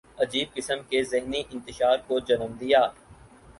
عجیب قسم کے ذہنی انتشار کو جنم دیا۔